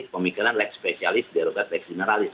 pemikiran leks spesialis derogat leks generalis